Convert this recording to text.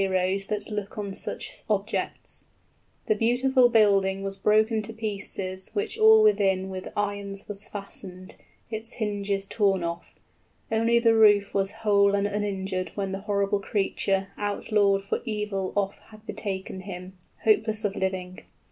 } The beautiful building was broken to pieces Which all within with irons was fastened, Its hinges torn off: only the roof was 10 Whole and uninjured when the horrible creature Outlawed for evil off had betaken him, Hopeless of living.